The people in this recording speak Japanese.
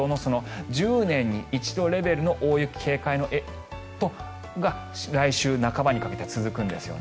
１０年に一度レベルの大雪警戒が来週半ばにかけて続くんですよね。